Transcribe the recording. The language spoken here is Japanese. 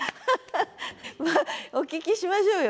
お聞きしましょうよ。